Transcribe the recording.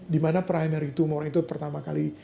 di mana primary tumor itu pertama kali